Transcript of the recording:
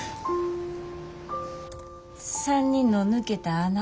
３人の抜けた穴